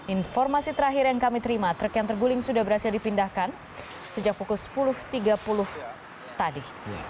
informasi terakhir yang kami terima truk yang terguling sudah berhasil dipindahkan sejak pukul sepuluh tiga puluh tadi